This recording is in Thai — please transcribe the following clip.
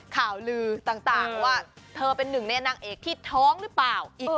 ข่าวลือต่างว่าเธอเป็นหนึ่งในนางเอกที่ท้องหรือเปล่า